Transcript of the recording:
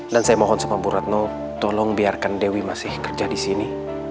dan saya mohon sama bu retno tolong biarkan dewi masih kerja disini